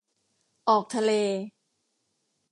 ออกทะเล